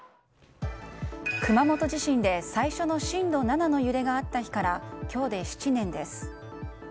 熊本地震で最初の震度７の揺れがあった日から今日で７年です。